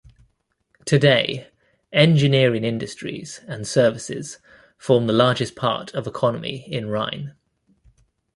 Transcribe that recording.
Today engineering industries and services form the largest part of economy in Rheine.